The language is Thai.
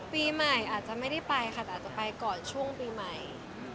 ปีใหม่อาจจะไม่ได้ไปค่ะแต่อาจจะไปก่อนช่วงปีใหม่